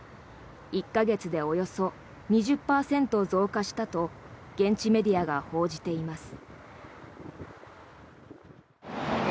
１か月でおよそ２０％増加したと現地メディアが報じています。